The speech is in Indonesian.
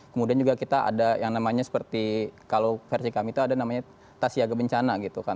kemudian juga kita ada yang namanya seperti kalau versi kami itu ada namanya tas siaga bencana gitu kan